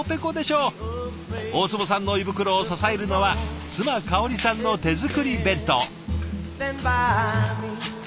大坪さんの胃袋を支えるのは妻香織さんの手作り弁当。